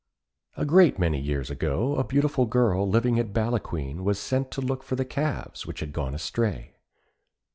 A great many years ago a beautiful girl living at Ballaquine was sent to look for the calves, which had gone astray.